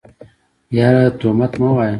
يره تومت مه وايه.